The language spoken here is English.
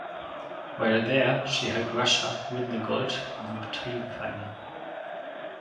While there she helped Russia win the gold in the team final.